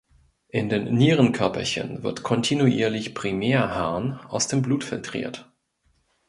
In den Nierenkörperchen wird kontinuierlich Primärharn aus dem Blut filtriert.